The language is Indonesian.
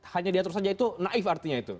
hanya diatur saja itu naif artinya itu